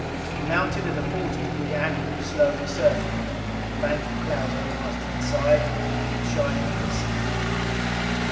We mounted at a forty degree angle, slowly circling, with a bank of clouds over us to the side and the shining little sea beneath.